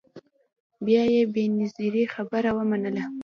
بیا یې بنظیري خبره ومنله